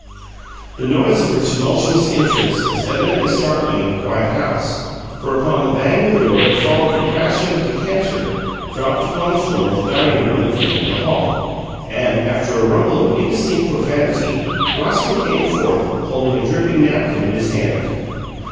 The noise of her tumultuous entrance was evidently startling in the quiet house, for upon the bang of the door there followed the crash of a decanter, dropped upon the floor of the dining room at the end of the hall; and, after a rumble of indistinct profanity, Roscoe came forth, holding a dripping napkin in his hand.